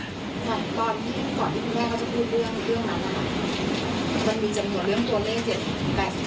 แต่ตอนที่ตอนที่คุณแม่เขาจะพูดเรื่องเรื่องนั้นอ่ะมันมีจำนวนเรื่องตัวเลขเจ็ด